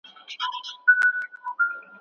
علم رڼا ده او جهالت تیاره ده.